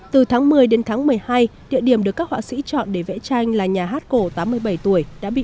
từ tháng một mươi đến tháng một mươi hai địa điểm được các họa sĩ chọn để vẽ tranh là nhà hát cổ tám mươi bảy tuổi đã bị